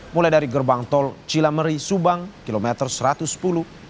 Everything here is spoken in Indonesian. mulai dari gerbang tol cila meri subang km satu ratus sepuluh hingga delapan puluh dua guna di purwakarta